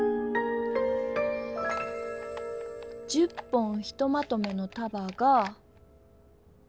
１０本ひとまとめのたばが。